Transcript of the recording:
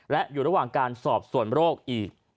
และอยู่ระหว่างการสอบส่วนโรคอีก